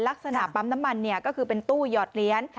ลักษณะปั๊มน้ำมันก็คือเป็นตู้หยอดเหรียญ